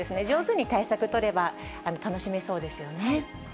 上手に対策取れば、楽しめそうですよね。